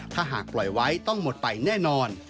ถ้าหากปล่อยไว้ต้องหมดไปแน่นอน